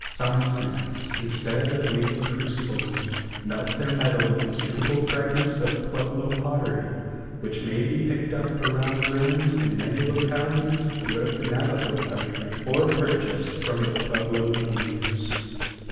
Some smiths, instead of making crucibles, melt their metal in suitable fragments of Pueblo pottery, which may be picked up around ruins in many localities throughout the Navajo country or purchased from the Pueblo Indians.